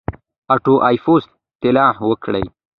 اوټو ایفز اطلاع ورکړه.